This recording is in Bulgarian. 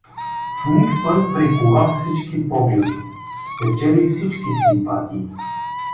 В миг той прикова всички погледи, спечели всички симпатии.